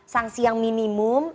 sangsi yang minimum